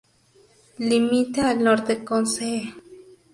Limita al norte con Cee.